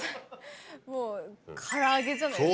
もうからあげじゃないですか？